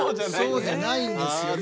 そうじゃないんですよね